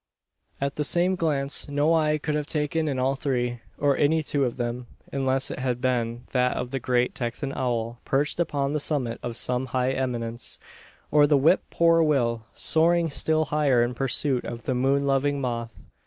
At the same glance no eye could have taken in all three, or any two of them; unless it had been that of the great Texan owl perched upon the summit of some high eminence, or the "whip poor will" soaring still higher in pursuit of the moon loving moth.